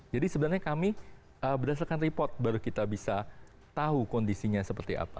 jadi sebenarnya kami berdasarkan report baru kita bisa tahu kondisinya seperti apa